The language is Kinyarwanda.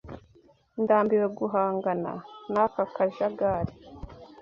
Ndambiwe guhangana n'aka kajagari.